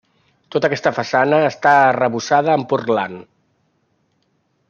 Tota aquesta façana està arrebossada amb pòrtland.